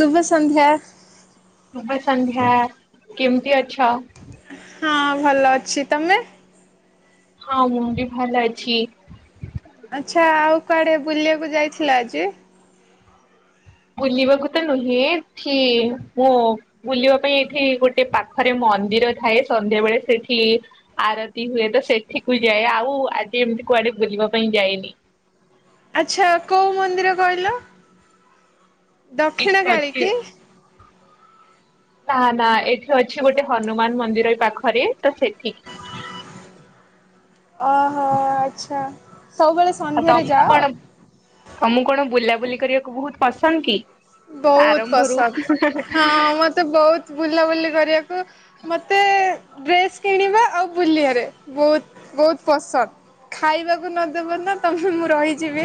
ଶୁଭସନ୍ଧ୍ୟା। ଶୁଭସନ୍ଧ୍ୟା କେମିତି ଅଛ? ହଁ ଭଲ ଅଛି ତମେ? ହଁ ମୁଁ ବି ଭଲ ଅଛି। ଆଚ୍ଛା ଆଉ କୁଆଡେ ବୁଲିବାକୁ ଯାଇଥିଲ ଆଜି? ବୁଲିବାକୁ ତ ନୁହେଁ ଠି ମୁଁ ବୁଲିବା ପାଇଁ ଏଠି ଗୋଟେ ପାଖରେ ମନ୍ଦିର ଥାଏ ସନ୍ଧ୍ୟା ବେଳେ ସେଠି ଆରତି ହୁଏ ତ ସେଠିକୁ ଯାଏ ଆଉ ଆଗେ ଏମିତି କୁଆଡେ ବୁଲିବା ପାଇଁ ଯାଇନି। ଆଚ୍ଛା କୋଉ ମନ୍ଦିର କହିଲ, ଏଠି ଦକ୍ଷିଣ କାଳୀ ଅଛି କି? ନା ନା ଏଠି ଅଛି ଗୋଟେ ହନୁମାନ ମନ୍ଦିର ଏଇ ପାଖରେ ତ ସେଠି ଓହୋ ଆଚ୍ଛା ସବୁବେଳେ ସେ ଆଉ ତମକୁ କଣ ତମକୁ କଣ ବୁଲାବୁଲି କରିବାକୁ ବହୁତ ପସନ୍ଦ କି? ବହୁତ ଆରମ୍ଭରୁ ପସନ୍ଦ ହଁ ମତେ ବହୁତ ବୁଲାବୁଲି କରିବାକୁ ମତେ ଡ୍ରେସ୍ କିଣିବା ଆଉ ବୁଲିବାରେ ବହୁତ ବହୁତ ପସନ୍ଦ। ଖାଇବାକୁ ନ ଦେବ ନା ତମେ ମୁଁ ରହିଯିବି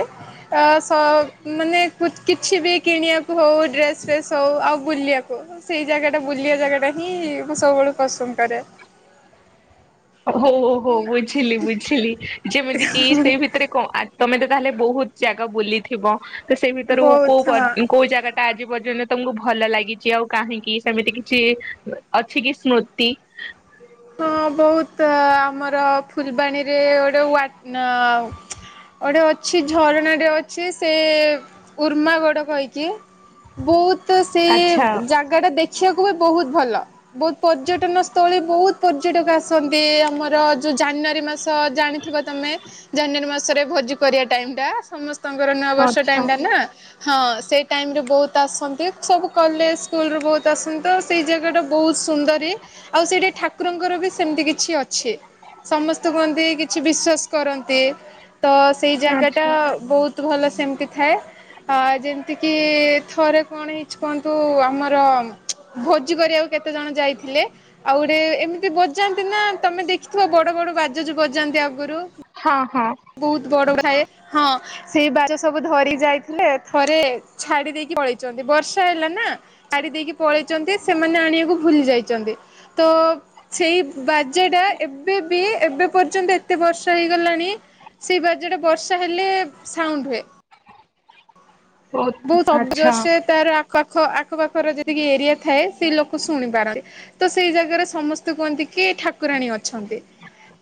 ତା ସହ ମାନେ କୁତ କିଛି ବି କିଣିବା ହଉ ଡ୍ରେସ ଫ୍ରେସ ହଉ ଆଉ ବୁଲିବାକୁ ସେଇ ଜାଗାଟା ବୁଲିବା ଜାଗାଟା ହିଁ ମୁଁ ସବୁବେଳେ ପସନ୍ଦ କରେ। ହଉ ହଉ ବୁଝିଲି ବୁଝିଲି ଯେମିତିକିି ସେ ଭିତରେ କଣ ଆ ତମେ ତ ତାହେଲେ ବହୁତ ଜାଗା ବୁଲିଥିବ ତ ସେଇ ଭିତରୁ କୋଉ ବହୁତ ପା ହଁ କୋଉ ଜାଗାଟା ଆଜି ପର୍ଯ୍ୟନ୍ତ ତମକୁ ଭଲ ଲାଗିଛି ଆଉ କାହିଁକି ସେମିତି କିଛି ଅଛି କି ସ୍ମୃତି? ହଁ ବହୁତ ଆମର ଫୁଲବାଣୀରେ ଗୋଟେ ୱାଟ ନ ଆଉ ଗୋଟେ ଅଛି ଝରଣାଟେ ଅଛି ସେ ଉର୍ମାଗୋଡ କହିକି ବହୁତ ଆଚ୍ଛା ସେଇ ଜାଗ ଗାଟା ଦେଖିବାକୁ ବି ବହୁତ ଭଲ ବହୁତ ପର୍ଯ୍ୟଟନ ସ୍ଥଳୀ ବହୁତ ପର୍ଯ୍ୟଟକ ଆସନ୍ତି ଆମର ଯୋଉ ଜାନୁଆରୀ ମାସ ଜାଣିିଥିବ ତମେ ଜାନୁଆରୀ ମାସରେ ଭୋଜି କରିବା ଟାଇମଟା ସମସ୍ତଙ୍କର ନୂଆ ବର୍ଷ ଆଚ୍ଛା ଟାଇମଟା ନା ହଁ ସେଇ ଟାଇମରେ ବହୁତ ଆସନ୍ତି ସବୁ କଲେଜ ସ୍କୁଲୁରୁ ବହୁତ ଆସନ୍ତି ତ ସେଇ ଜାଗାଟା ବହୁତ ସୁନ୍ଦର ଇଏ ଆଉ ସେଇଟି ଠାକୁରଙ୍କର ବି ସେମିତି କିଛି ଅଛି। ସମସ୍ତେ କୁହନ୍ତି କିଛି ବିଶ୍ଵାସ କରନ୍ତି ତ ସେଇ ଆଚ୍ଛା ଜାଗାଟା ବହୁତ ଭଲ ସେମିତି ଥାଏ। ଆ ଯେମିତି କିି ଥରେ କଣ ହେଇଛି କୁହନ୍ତୁ ଆମର ଭୋଜି କରିବାକୁ କେତେ ଜଣ ଯାଇଥିଲେ ଆଉ ଗୋଟେ ଏମ ମତି ବଜାନ୍ତି ନା ତମେ ଦେଖିଥିବ ବଡ ବଡ ବାଜା ଯୋଉ ବଜାନ୍ତି ଆଗରୁ ହଁ ହଁ। ବହୁତ ବଡ ଥାଏ ହଁ। ସେଇ ବାର ସବୁ ଧରିିକି ଯାଇଥିଲେ ଥରେ ଛାଡି ଦେଇକି ପଳେଇଛନ୍ତି ବର୍ଷା ହେଲା ନା? ଛାଡ଼ିଦେଇକି ପଳେଇଛନ୍ତି ସେମାନେ ଆଣିବାକୁ ଭୁଲି ଯାଇଛନ୍ତି ତ ସେଇ ବାଜାଟା ଏବେ ବି ଏବେ ପର୍ଯ୍ୟନ୍ତ ଏତେ ବର୍ଷ ହେଇଗଲାଣି ସେଇ ବାଜାଟା ବର୍ଷା ହେଲେ ସାଉଣ୍ଡ ହୁଏ। ବହୁତ ଅବଜସେ ତାର ଆଖପାଖ ଆଖପାଖର ଯେତିକି ଏରିଆ ଥାଏ ସେ ଲୋକ ଶୁଣିପାରନ୍ତି। ତ ସେଇ ଜାଗାରେ ସମସ୍ତେ କୁହନ୍ତି କି ଠାକୁରାଣୀ ଅଛନ୍ତି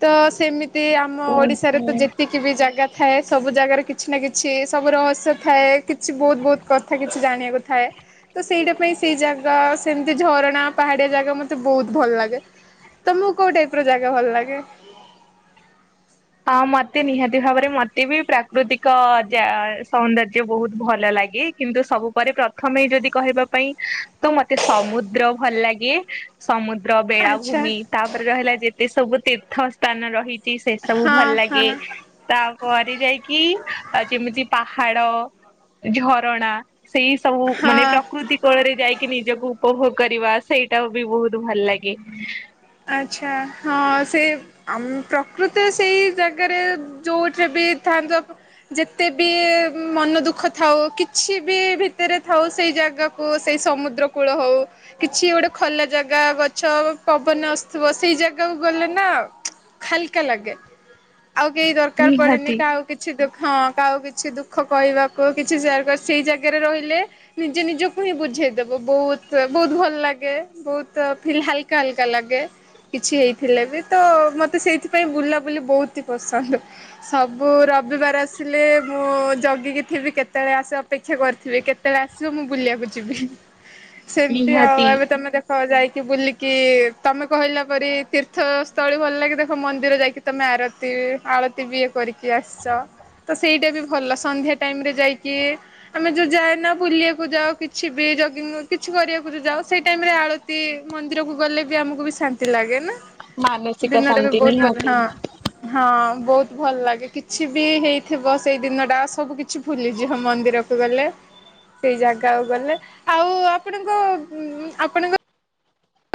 ତ ସେମିତି ଆମ ଓଡ଼ିଶାରେ ତ ଓ ଯେତିକି ବି ଜାଗା ଥାଏ ସବୁ ଜାଗାରେ କିଛି ନା କିଛି ସବୁ ରହସ୍ୟ ଥାଏ କିଛି ବହୁତ ବହୁତ କଥା କିଛି ଜାଣିବାକୁ ଥାଏ। ତ ସେଇଟା ପାଇଁ ସେଇ ଜାଗା ସେମିତି ଝରଣା ପାହାଡିଆ ଜାଗା ମତେ ବହୁତ ଭଲ ଲାଗେ। ତମକୁ କୋଉ ଟାଇପର ଜାଗା ଭଲ ଲାଗେ? ହଁ ମତେ ନିହାତି ଭାବରେ ମତେ ବି ପ୍ରାକୃତିକ ଯା ସୌନ୍ଦର୍ଯ୍ୟ ବହୁତ ଭଲ ଲାଗେ। କିନ୍ତୁ ସବୁ ପରେ ପ୍ରଥମେ ଯଦି କହିବା ପାଇଁ ତ ମତେ ସମୁଦ୍ର ଭଲ ଲାଗେ। ସମୁଦ୍ର ଆଚ୍ଛା ବେଳାଭୂମି ତାପରେ ରହିଲା ଯେତେ ସବୁ ତୀର୍ଥ ସ୍ଥାନ ରହିଛି ସେ ସବୁ ଭଲ ହଁ ଲାଗେ ହଁ ତାପରେ ଯାଇକି ଯେମିତି ପାହାଡ ଝରଣା ସେଇ ସବୁ ମାନେ ହଁ। ପ୍ରକୃତି କୋଳରେ ଯାଇକି ନିଜକୁ ଉପଭୋଗ କରିବା ସେଇଟା ବି ବହୁତ ଭଲ ଲାଗେ। ଆଚ୍ଛା ହଁ ସେ ଆମ ପ୍ରକୃତ ସେଇ ଜାଗାରେ ଯୋଉଠରେ ବି ଥାନ୍ତୁ ଯେତେ ବି ମନ ଦୁଃଖ ଥାଉ କିଛି ବି ଭିତରେ ଥାଉ ସେଇ ଜାଗାକୁ କୁ ସେଇ ସମୁଦ୍ର କୂଳ ହଉ କିଛି ଗୋଟେ ଖୋଲା ଜାଗା ଗଛ ପବନ ଆସୁଥିବ ସେଇ ଜାଗାକୁ ଗଲେ ନା ହାଲକା ଲାଗେ। ଆଉ କେହି ଦରକାର ପଡେନି ନିହାତି କାହା କିଛି ଦୁଃଖ ହଁ କହାକୁ କିଛି ଦୁଃଖ କହିବାକୁ କିଛି ସେଇ ଜାଗାରେ ରହିଲେ। ନିଜେ ନିଜକୁ ହିଁ ବୁଝେଇଦବ, ବହୁତ ବହୁତ ଭଲ ଲାଗେ ବହୁତ ଫିଲ୍ ହାଲକା ହଲକା ଲାଗେ କିଛି ହେଇଥିଲେ ବି ତ ମତେ ସେଇଥିପାଇଁ ବୁଲାବୁଲି ବହୁତ ହି ପସନ୍ଦ। ସବୁ ରବିବାର ଆସିଲେ ମୁଁ ଜଗିକି ଥିବି କେତେବେଳେ ଆସ ଅପେକ୍ଷା କରିଥିବେ କେତେବେଳେ ଆସିବ ମୁଁ ବୁଲିବାକୁ ଯିବି। ସେମତି ଆଉ ନିହାତି ଏବେ ତମେ ଦେଖ ଯାଇକି ବୁଲିକି ତମେ କହିଲା ପରି ତୀର୍ଥସ୍ଥଳୀ ଭଲ ଲାଗେ ଦେଖ ମନ୍ଦିର ଯାଇକି ତମେ ଆରତି ଆଳତି ବି କରିକି ଆସିଛ। ତ ସେଇଟା ବି ଭଲ ସନ୍ଧ୍ୟା ଟାଇମରେ ଯାଇକି ଆମେ ଯୋଉ ଯାଏ ନା ବୁଲିବାକୁ ଯାଉ କିଛି ବି ଜଗି କିଛି କରିବାକୁ ଯାଉ ସେଇ ଟାଇମରେ ଆଳତୀ ମନ୍ଦିରକୁ ଗଲେ ବି ଆମକୁ ବି ଶାନ୍ତି ଲାଗେ ନା। ମାନସିକ ଦିନଟା ବି ଶାନ୍ତି ବହୁତ ନିହାତି। ହଁ ହଁ ବହୁତ ଭଲ ଲାଗେ। କିଛି ବି ହେଇଥିବ ସେଇ ଦିନ ଟା ସବୁ କିଛି ଫୁଲିଛିି ହଁ ମନ୍ଦିରକୁ ଗଲେ। ସେଇ ଜାଗାକୁ ଗଲେ ଆଉ ଆପଣଙ୍କ ଉଁ ଆପଣଙ୍କ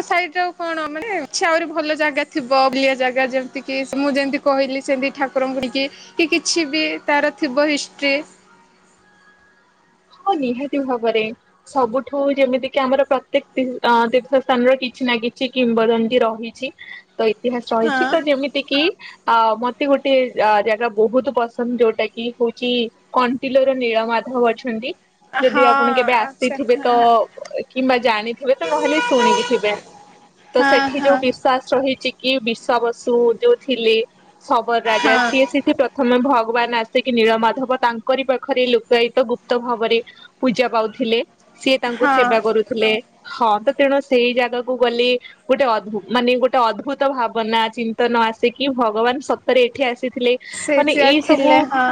ସାଇଡ ଆଉ କଣ ମାନେ କିଛି ଆହୁରି ଭଲ ଜାଗା ଥିବ ବୁଲିଆ ଜାଗା ଯେମିତିକି ମୁଁ ଯେମତି କି କହିଲି ସେମିତି ଠାକୁର ନେକି କିଛି ବି ତାର ଥିବ ହିଷ୍ଟ୍ରି। ହଁ ନିହାତି ଭାବରେ। ସବୁଠୁ ଯେମିତି କିି ଆମର ପ୍ରତ୍ୟେକ ତି ଆଁ ଦୀର୍ଥସ୍ଥାନର କିଛି ନା କିଛି କିମ୍ବଦନ୍ତି ରହିଛି। ଛି ତ ଇତିହାସ ହଁ ରହିଛି ତ ଯେମିତି କିି ଅ ମତେ ଗୋଟେ ଅ ଜାଗା ବହୁତ ପସନ୍ଦ ଯୋଉଟା କି ହଉଛି କଣ୍ଟିଲୋର ନୀଳ ମାଧବ ଅଛନ୍ତି। ଯଦି ହଁ ଆପଣ କେବେ ଆଚ୍ଛା ଆସିଥିବେ ତ ହଁ କିମ୍ବା ଜାଣିଥିବେ ତ ନହେଲେ ଶୁଣିକିଥିବେ। ତ ସେଠି ହଁ ଯୋଉ ବି ବିଶ୍ୱାସ ରହିଛି କି ବିଷ ବସୁ ଯୋଉ ଥିଲେ ସବର ହଁ ରାଜା ହଁ ସିଏ ସେଠି ପ୍ରଥମେ ଭଗବାନ ଆସିକି ନୀଳମାଧବ ତାଙ୍କରି ପାଖରେ ଲକାୟତ ଗୁପ୍ତ ଭାବରେ ପୂଜା ପାଉଥିଲେ। ସିଏ ତାଙ୍କ ହଁ ସେବା କରୁ ଥିଲେ, ହଁ ତ ତେଣୁ ସେଇ ଜାଗାକୁ ଗଲେ ଗୋଟେ ଅଦ୍ଭୁ ମାନେ ଗୋଟେ ଅଦ୍ଭୁତ ଭାବନା ଚିନ୍ତନ ଆସେକି ଭଗବାନ ସତରେ ଏଠି ଆସିଥିଲେ। ମାନେ ସେଇଠି ଆଉ ଏଇ ସବୁ ଥିଲେ ହଁ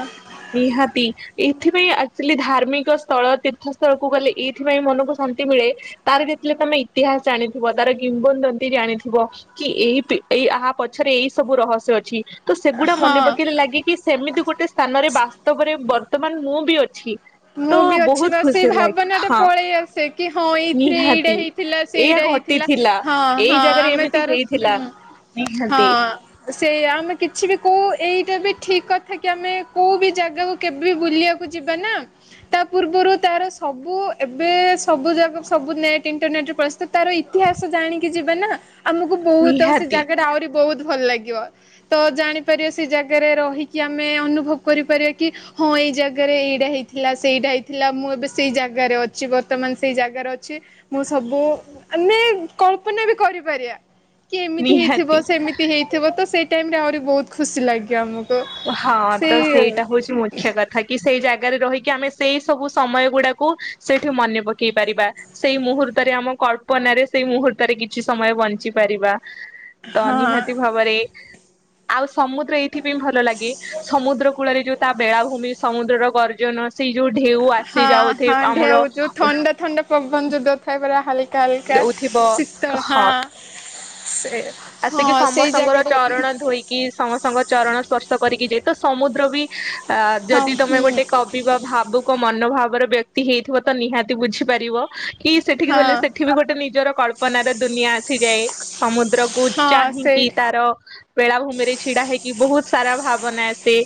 ନିହାତି ଏଇଥିପାଇଁ ଆକ୍ଚୁଆଲି ଧାର୍ମିକ ସ୍ଥଳ ତୀର୍ଥସ୍ଥଳକୁ ଗଲେ ଏଇଥିପାଇଁ ମନକୁ ଶାନ୍ତି ମିଳେ ତାର ଯେତେଳେ ତମେ ଇତିହାସ ଜାଣିଥିବ ତାର କିମ୍ବଦନ୍ତୀ ଜାଣିଥିବ। କି ଏଇ ଏଇ ଆ ପଛରେ ଏଇ ସବୁ ରହସ୍ୟ ଅଛି। ତ ସେଗୁଡା ମନେ ହଁ ପକେଇଲେ ଲାଗେ କି ସେମିତି ଗୋଟେ ସ୍ଥାନରେ ବାସ୍ତବରେ ବର୍ତ୍ତମାନ ମୁଁ ବି ଅଛି। ତ ମୁଁ ବି ଅଛି ବହୁତ ବା ସେଇ ଖୁସି ଲାଗେ ଭାବନା ଟା ହଁ ପଳେଇ ଆସେ କି ହଁ ଏଇଥିରେ ଏଇଟା ନିହାତି। ହେଇଥିଲା ଏଇଆ ସେଇଟା ହେଇଥିଲା ଘଟିଥିଲା, ହଁ ଏଇ ହଁ ଜାଗାରେ ଆମେ ଏମିତି ତାର ହେଇଥିଲା ନିହାନ୍ତି। ସେ ଆମେ କିଛି ବି କୋଉ ଏଇଟା ବି ଠିକ କଥା କି ଆମେ କୋଉ ବି ଜାଗାକୁ କେବେ ବି ବୁଲିବାକୁ ଯିବା ନା ତା ପୂର୍ବରୁ ତାର ସବୁ ଏବେ ସବୁ ଯାଗ ସବୁ ନେଟ୍ ଇଣ୍ଟରନେଟରେ ପରିସ୍ଥିତି ତାର ଇତିହାସ ଜାଣିକି ଯିବେ ନା ଆମକୁ ବହୁତ ଆଉ ସେ ନିହାତି ଜାଗା ଟା ଆହୁରି ବହୁତ ଭଲ ଲାଗିବ। ତ ଜାଣିପାରିବା ସେ ଜାଗାରେ ରହିକି ଆମେ ଅନୁଭବ କରିପାରିବା କି ହଁ ଏଇ ଜାଗାରେ ଏଇଟା ହେଇ ଥିଲା, ସେଇଟା ହେଇଥିଲା, ମୁଁ ଏବେ ସେଇ ଜାଗାରେ ଅଛି। ବର୍ତ୍ତମାନ ସେଇ ଜାଗାରେ ଅଛି ମୁଁ ସବୁ ଆମେ କଳ୍ପନା ବି କରିପାରିବା। କି ଏମିତି ନିହାତି। ହେଇଥିବ ସେମିତି ହେଇଥିବ ତ ସେଇ ଟାଇମରେ ଆହୁରି ବହୁତ ଖୁସି ଲାଗିବ ଆମକୁ। ହଁ ତ ସେଇ ସେଇଟା ହଉଛି ମୁଖ୍ୟ କଥା। ଥା କିି ସେଇ ଜାଗାରେ ରହିକି ଆମେ ସେଇ ସବୁ ସମୟ ଗୁଡାକୁ ସେଠି ମନେ ପକେଇ ପାରିବା। ସେଇ ମୁହୂର୍ତ୍ତରେ ଆମ କଳ୍ପନା ରେ ସେଇ ମୁହୂର୍ତ୍ତରେ କିଛି ସମୟ ବଞ୍ଚି ପାରିବା। ତ ହଁ ନିହାତି ଭାବରେ ଆଉ ସମୁଦ୍ର ଏ ଭଲ ଲାଗେ ସମୁଦ୍ର କୂଳରେ ଯୋଉ ତା ବେଳାଭୂମି ସମୁଦ୍ରର ଗର୍ଜନ ସେଇ ଯୋଉ ଢେଉ ହଁ ଆସିଯାଉ ଥେ ହଁ ଆମର ଢେଉ ଯୋଉ ଥଣ୍ଡା ଥଣ୍ଡା ପବନ ଯ ଦଉ ଥାଏ ପୁରା ହାଲକା ହାଲକା ଦଉଥିବ ଶୀତଳ ହଁ ସେ ଆସିକି ହଁ ସେଇ ସମସ୍ତଙ୍କର ଜାଗାରେ ଚରଣ ଧୋଇକି କି ସମସ୍ତଙ୍କ ଚରଣ ସ୍ପର୍ଶ କରିକି ଯାଇ ତ ସମୁଦ୍ର ବି ଅ ହଁ ଯଦି ତମେ ହୁଁ ଗୋଟେ କ ବି ଭାବୁକ ମନୋଭାବର ବ୍ୟକ୍ତି ହେଇଥିବ ତ ନିହାତି ବୁଝିପାରିବ କି ସେଠିକି ଗଲେ ହଁ ସେଠି ବି ଗୋଟେ ନିଜର କଳ୍ପନାର ଦୁନିଆ ଆସିଯାଏ ସମୁଦ୍ରକୁ ହଁ ଚାହିଁକି ସେଇଠି ତାର ବେଳା ଭୂମିରେ ଛିଡ଼ା ହେଇ କି ବହୁତ ସାରା ଭାବନା ଆସେ।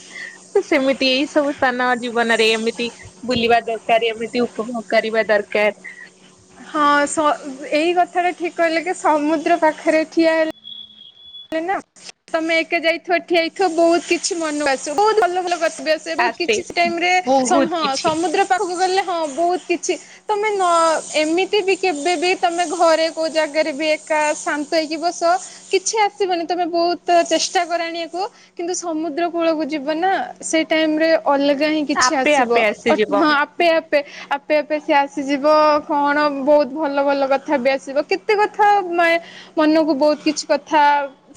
ତ ସେମିତି ଏଇ ସବୁ ସ୍ଥାନ ଜୀବନରେ ଏମିତି ବୁଲିବା ଦରକାର ଏମିତି ଉପଭୋଗ କରିବା ଦରକାର। ହଁ ସ ଏଇ କଥା ଟା ଠିକ କହିଲ କି ସମୁଦ୍ର ପାଖରେ ଠିଆ ହେଲେ ହେ ନା ତମେ ଏକା ଯାଇଥିବ ଠିଆ ହେଇଥିବ ବହୁତ କିଛି ମନେକୁ ଆସିବ ବହୁତ ଭଲ ଭଲ କଥା ବି ଆସ ସେ ବହୁତ ଆସେ କିଛି ଟାଇମ ରେ ବହୁତ ହଁ କିଛି ସମୁଦ୍ର ପାଖକୁ ଗଲେ ହଁ ବହୁତ କିଛି ତମେ ନ ଏମିତି ବି କେବେବି ତମେ ଘରେ କୋଉ ଜାଗାରେ ବି ଏକା ଶାନ୍ତ ହେଇକି ବସ କିଛି ଆସିବନି ତମେ ବହୁତ ଚେଷ୍ଟା କର ଆଣିବାକୁ କିନ୍ତୁ ସମୁଦ୍ର କୂଳକୁ ଯିବ ନା ସେଇ ଟାଇମରେ ଅଲଗା ହିଁ କିଛି ଆପେ ଆସିବ ଆପେ ଅଟ୍ ଆସିଯିବ ହଁ ଆପେ ଆପେ ଆପେ ଆପେ ସିଏ ଆସିଯିବ କଣ ବହୁତ ଭଲ ଭଲ କଥା ବି ଆସିବ କେତେ କଥା ମେ ମନକୁ ବହୁତ କିଛି କଥା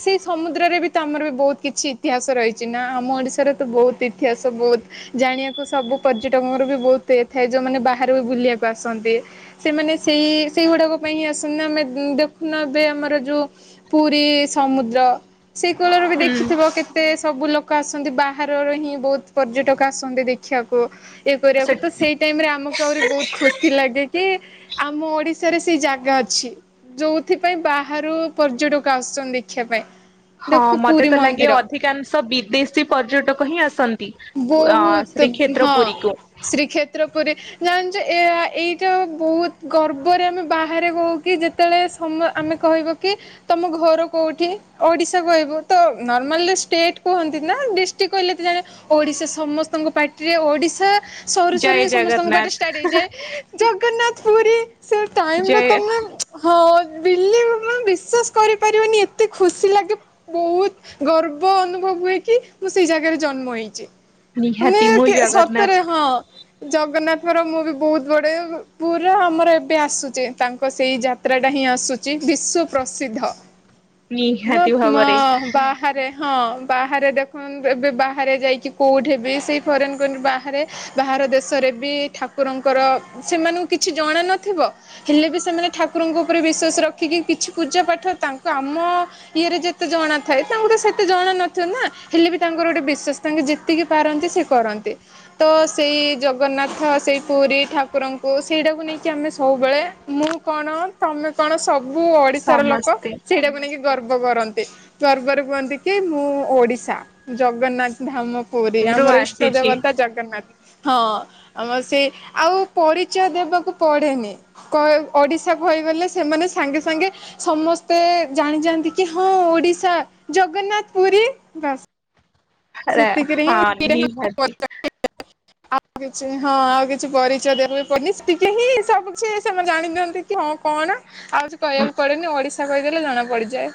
ସେଇ ସମୁଦ୍ରରେ ବି ତ ଆମର ବି ବହୁତ କିଛି ଇତିହାସ ରହିଛି ନା ଆମ ଓଡ଼ିଶାରେ ତ ବହୁତ ଇତିହାସ ବହୁତ୍ ଜାଣିବାକୁ ସବୁ ପର୍ଯ୍ୟଟକ ଙ୍କର ବି ବହୁତ ଇଏ ଥାଏ ଯୋଉମାନେ ବାହାରୁ ବି ବୁଲିବାକୁ ଆସନ୍ତି। ସେମାନେ ସେଇ ସେଇଗୁଡାକ ପାଇଁ ହିଁ ଆସନା ଆମେ ଦେଖୁନ ଏବେ ଆମର ଯୋଉ ପୁରୀ ସମୁଦ୍ର ସେଇ କୂଳରେ ବି ହୁଁ ଦେଖିଥିବ କେ ତେ ସବୁ ଲୋକ ଆସନ୍ତି ବାହାରର ହିଁ ବହୁତ ପର୍ଯ୍ୟଟକ ଆସନ୍ତି ଦେଖିବାକୁ। ଇଏ କରିବାକୁ ସେ ତ ସେଇ ଟାଇମ ରେ ଆମକୁ ଆହୁରି ବହୁତ ଖୁସି ଲାଗେ କି ଆମ ଓଡିଶାରେ ସେଇ ଜାଗା ଅଛି। ଯୋଉଥିପାଇ ବାହାରୁ ପର୍ଯ୍ୟଟକ ଆସୁଛନ୍ତି ଦେଖିବା ପାଇଁ। ହଁ ଦେଖ ମତେ ପୁରୀ ତ ଲାଗେ ମନ୍ଦିର ଅଧିକାଂଶ ବିଦେଶୀ ପର୍ଯ୍ୟଟକ ହିଁ ଆସନ୍ ନ୍ତି ଉ ଆ ବହୁତ ଶ୍ରୀକ୍ଷେତ୍ର ହଁ ପୁରିକୁ। ଶ୍ରୀକ୍ଷେତ୍ର ପୁରୀ ନାଇଁ ଯେ ଏହା ଏଇଟା ବହୁତ ଗର୍ବରେ ଆମେ ବାହାରେ କହୁ କି ଯେ ତେବେଳେ ସମ ଆମେ କହିବ କି? ତମ ଘର କୋଉଠି ଓଡିଶା କହିବୁ ତ ନର୍ମାଲି ଷ୍ଟେଟ କୁହନ୍ତି ନା ଡିସି ଟି କହିଲେ ତ ଜଣେ ଓଡିଶା ସମସ୍ତଙ୍କ ପାଟିରେ ଓଡିଶା। ସରୀ ଜୟ ସରୀ ସମସ୍ତଙ୍କ ପାଟିରେ ଜଗନ୍ନାଥ ଷ୍ଟାଟ ହେଇଯାଏ ଜଗନ୍ନାଥ ପୁରୀ ସେ ଟାଇମ୍ର ଜୟ ତମେ ହଁ ବିଲଭି ତମେ ବିଶ୍ଵାସ କରିପାରିବନି ଏତେ ଖୁସି ଲାଗେ ବହୁତ ଗର୍ବ ଅନୁଭବ ହୁଏ କି ମୁଁ ସେଇ ଜାଗାରେ ଜନ୍ମ ହେଇଚି। ତୁମେ ନିହାତି ମୁଁ କି ଜଗନ୍ନାଥ ସତରେ ହଁ। ଜଗନ୍ନାଥଙ୍କର ମୁଁ ବି ବହୁତ ବଡେ ଭ ପୁରୀ ର ଆମର ଏବେ ଆସୁଚେ ତାଙ୍କ ସେଇ ଯା ତ୍ରା ଟା ହିଁ ଆସୁଚି ବିଶ୍ଵ ପ୍ରସିଦ୍ଧ ନିହାତି ଭାବରେ। [unintelligible] ବାହାରେ ହଁ ବାହାରେ ଦେଖନ୍ତ ଏ ବାହାରେ ଯାଇ କି କୋଉଠି ବି ସେଇ ଫରେନ୍ କଣ୍ଟ୍ରି ବାହାରେ ବାହାର ଦେଶରେ ବି ଠାକୁରଙ୍କର ସେମାନଙ୍କୁ କିଛି ଜଣାନଥିବ ହେଲେ ବି ସେମାନେ ଠାକୁରଙ୍କ ଉପରେ ବିଶ୍ୱାସ ରଖିକି କିଛି ପୂଜା ପାଠ ତାଙ୍କ ଆମ ଇଏରେ ଯେତେ ଜଣା ଥାଏ ତାଙ୍କୁ ତ ସେତେ ଜଣା ନଥିବ ନା ହେଲେ ବି ତାଙ୍କର ଗୋଟେ ବିଶ୍ୱସ ତାଙ୍କେ ଯେତିକି ପାରନ୍ତି ସେ କରନ୍ତି। ତ ସେଇ ଜଗନ୍ନାଥ ସେଇ ପୁରୀ ଠାକୁରଙ୍କୁ ସେଇଟାକୁ ନେଇକି ଆମେ ସବୁବେଳେ ମୁଁ କଣ ତମେ କଣ ସବୁ ଓଡିଶାର ଲୋକ ସମସ୍ତେ ସେଇଟାକୁ ନେଇକି ଗର୍ବ କରନ୍ତି ଗର୍ବରେ କୁହନ୍ତି କି ମୁଁ ଓଡିଶା ଜଗନ୍ନାଥ ଧାମ ପୁରୀ ରୁ ଆମର ଇଷ୍ଟ ଆସିଛି ଦେବତା ଜଗ ନ୍ନାଥ ହଁ ଆମର ସେଇ ଆଉ ପରିଚୟ ଦେବାକୁ ପଡେନି। କ ଓଡିଶା କହିଗଲେ ସେମାନେ ସାଙ୍ଗେ ସାଙ୍ଗେ ସମସ୍ତେ ଜାଣିଜାଆନ୍ତି କି ହଁ ଓଡିଶା ଜଗନ୍ନାଥ ପୁରୀ ବାସ ରା ସେତିକିରେ ହଁ ହିଁ [inaudible] ନିହାତି। ଆଉ କିଛି ହଁ ଆଉ କିଛି ପରିଚୟ ଦେବାକୁ ପଡନି ଟିକେ ହିଁ ସବୁ କିଛି ସେମାନେ ଜାଣିିନିଅନ୍ତି। ହଁ କଣ ଆଉ କିଛି କହିବାକୁ ପଡନି ଓଡିଶା କହିଦେଲେ ଜଣା ପଡିଯାଏ।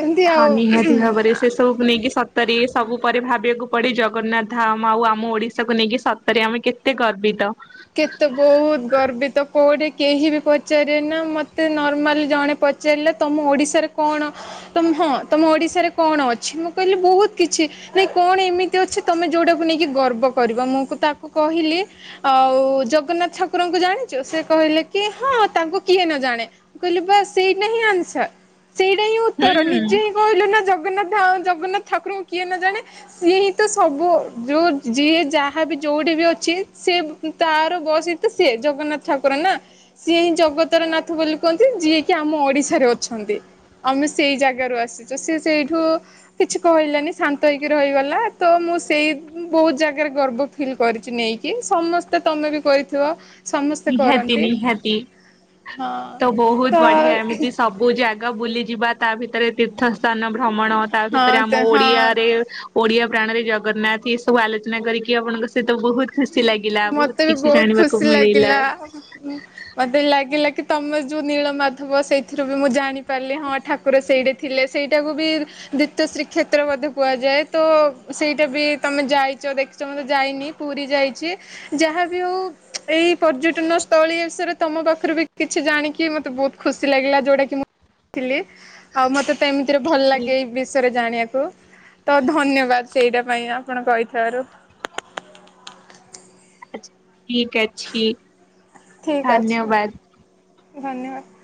ଏମିତି ହଁ ଆଉ ନିହାତି ଭାବରେ ଆ ସେ ସବୁକୁ ନେଇକି ସତରେ ସବୁ ପରେ ଭାବିବାକୁ ପଡ଼େ ଜଗନ୍ନାଥ ଧାମ ଆଉ ଆମ ଓଡ଼ିଶାକୁ ନେଇକି ସତରେ ଆମେ କେତେ ତେ ଗର୍ବିତ କେତେ ବୋହୁତ ଗର୍ବିତ କୋଉଠି କେହି ବି ପଚାରେନା ମତେ ନର୍ମାଲି ଜଣେ ପ ଚାରଲା ତମ ଓଡ଼ିଶାରେ କଣ ତମ ହଁ ତମ ଓଡିଶାରେ କଣ ଅଛି ମୁଁ କହିଲି ବୋହୁତ କିଛି। ନାଇଁ କଣ ଏମିତି ଅଛି ତମେ ଯୋଉଟାକୁ ନେଇକି ଗର୍ବ କରିବ ମୁଁ ତାକୁ କହିଲି ଆଉ ଜଗନ୍ନାଥ ଠାକୁରଙ୍କୁ ଜାଣିଚ ସେ କହିଲେ କି ହଁ ତାଙ୍କୁ କିଏ ନ ଜାଣେ। ମୁଁ କହିଲି ବାସ ସେଇଟା ହିଁ ଆନ୍ସର୍ ସେଇଟା ହିଁ ଉତ୍ତର ହୁଁ ନିଜେ ହିଁ କହିଲୁ ନା ଜଗନ୍ନାଥ ଧାମ ଜଗନ୍ନାଥ ଠାକୁରଙ୍କୁ କିଏ ନ ଜାଣେ। ସିଏ ହିଁ ତ ସବୁ ଯୋଉ ଯିଏ ଯାହା ବି ଯୋଉଠି ବି ଅଛି ସିଏ ଉଁ ତାର ବସ ହି ସିଏ ଜଗନ୍ନାଥ ଠାକୁର ନା। ସିଏ ହିଁ ଜଗତର ନାଥ ବୋଲି କୁହନ୍ତି ଯିଏ କି ଆମ ଓଡିଶାରେ ଅଛନ୍ତି। ଆମେ ସେଇ ଜାଗାରୁ ଆସିଚୁ ସିଏ ସେଇଠୁ କିଛି କହିଲାନି ଶାନ୍ତ ହେଇକି ରହିଗଲା ତ ମୁଁ ସେଇ ବୋହୁତ ଜାଗାରେ ଗର୍ବ ଫି ଫିଲ୍ କରିଚି ନେଇକି ସମସ୍ତେ ତମେ ବି କରିିଥିବ। ନିହାତି ନିହାତି ତ ବୋହୁତ ବଢିଆ ଏମିତି ସ ବୁ ଜାଗା ବୁଲିଯିବା ତା ଭିତରେ ତୀର୍ଥ ସ୍ଥାନ ଭ୍ରମଣ ତା ଭିତରେ ଆମ ହଁ ହଁ ଓଡିଆରେ ଓଡିଆ ପ୍ରାଣରେ ଜଗନ୍ନାଥ ଇଏ ସବୁ ଆଲୋଚନା କରିକି ଆପଣଙ୍କ ସହିତ ବୋହୁତ ଖୁସି ଲାଗିଲା ବୋହୁତ କିଛି ଜାଣିବାକୁ ମିଳିଲା। ଆ ମତେ ଲାଗିଲା କି ତମେ ଯୋଉ ନୀଳ ମାଧବ ସେଇଥିରୁ ବି ମୁଁ ଜାଣିି। କାଲି ହଁ ଠାକୁର ସେଇଠି ଥିଲେ ସେଇଟାକୁ ବି ଦ୍ୱିତୀୟ ଶ୍ରୀକ୍ଷେତ୍ର ମଧ୍ୟ କୁହାଯାଏ ତ ସେଇଟା ବି ତମେ ଯାଇଚ ଦେଖ୍ ଚେ ମୁଁ ତ ଯାଇନି ପୁରୀ ଯାଇଛି। ଯାହା ବିି ହୋଉ ଏଇ ପର୍ଯ୍ୟଟନ ସ୍ଥଳୀ ବିଷୟରେ ତମ ପାଖରୁ ବି କିଛି ଜାଣିକି ମତେ ବୋହୁତ ଖୁସି ଲାଗିଲା ଯୋଉଟା କି ମୁଁ ଥିଲି ଆଉ ମତେ ତ ଏମିତିରେ ଭଲ ଲାଗେ ଏ ବି ଷୟରେ ଜାଣିବାକୁ ତ ଧନ୍ୟବାଦ ସେଇଟା ପାଇଁ ଆପଣ କହିଥିବାରୁ। ଆଛା ଠିକ ଅ ଠିକ୍ ଅଛି ଆଉ ଧନ୍ୟବାଦ।